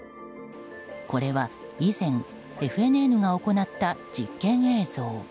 これは、以前ＦＮＮが行った実験映像。